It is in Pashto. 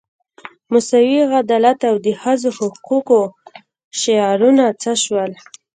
مساوي عدالت او د ښځو حقوقو شعارونه څه شول.